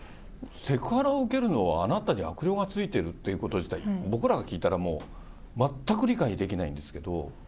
セクハラを受けるのは、あなたに悪霊がついているっていうこと自体、僕らが聞いたら、もう全く理解できないんですけど。